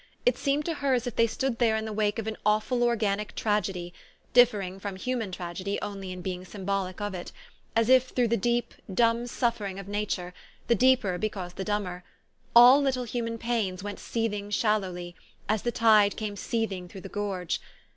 It seemed to her as if they stood there in the wake of an awful organic tragedy, differing from human tragedy only in being symbolic of it; as if through the deep, dumb suffering of Nature, the deeper because the dumber, all little human pains went seething shal lowly, as the tide came seething through the gorge.